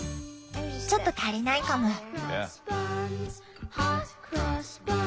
ちょっと足りないかも。